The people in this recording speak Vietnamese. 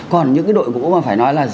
còn những đội ngũ mà phải nói là